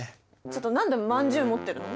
ちょっと何でまんじゅう持ってるの？